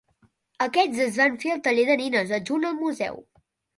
Aquests es van fer al taller de nines adjunt al museu.